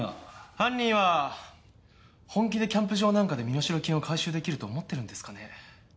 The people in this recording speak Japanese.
犯人は本気でキャンプ場なんかで身代金を回収できると思ってるんですかね？